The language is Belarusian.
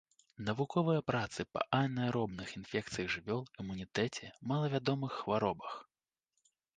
Навуковыя працы па анаэробных інфекцыях жывёл, імунітэце, малавядомых хваробах.